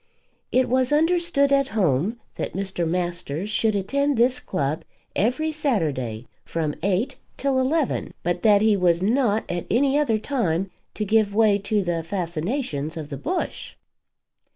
It was understood at home that Mr. Masters should attend this club every Saturday from eight till eleven, but that he was not at any other time to give way to the fascinations of the Bush.